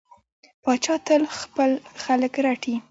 پاچا تل خپل خلک رټي.